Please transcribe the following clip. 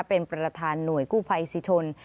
เป็นประธานหน่วยกู้ภัยสิชน